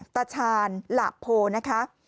ตาชาญหลาโพนะคะ